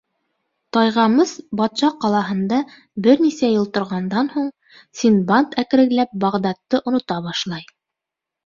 Тайғамыс батша ҡалаһында бер нисә йыл торғандан һуң, Синдбад әкренләп Бағдадты онота башлай.